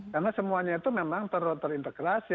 karena semuanya itu memang terintegrasi